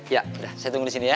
ya udah saya tunggu di sini ya